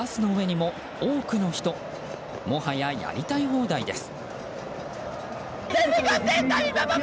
もはや、やりたい放題です。